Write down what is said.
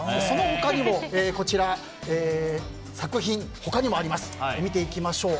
その他にもこちら作品、他にもあります。